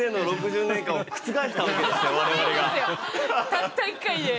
たった１回で。